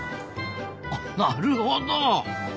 あなるほど！